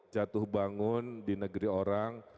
jatuh bangun di negeri orang